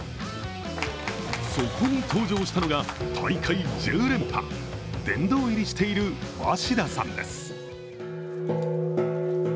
そこに登場したのが大会１０連覇殿堂入りしている鷲田さんです。